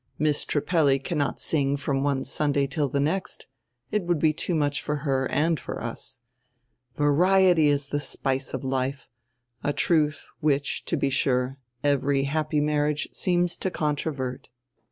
Miss Trippelli cannot sing from one Sunday till die next; it would be too much for her and for us. Variety is the spice of life, a truth which, to be sure, every happy marriage seems to con trovert."